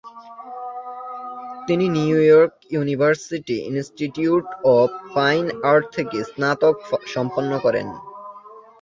তিনি New York University Institute of Fine Arts থেকে স্নাতক সম্পন্ন করেন।